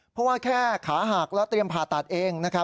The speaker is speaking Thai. เพราะว่าแค่ขาหักแล้วเตรียมผ่าตัดเอง